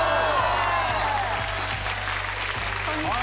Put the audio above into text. こんにちは。